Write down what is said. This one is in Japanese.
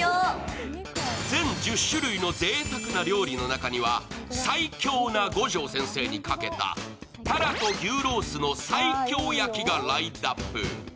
全１０種類のぜいたくな料理の中には、最強な五条先生にかけたたらと牛ロースの西京焼きがラインナップ。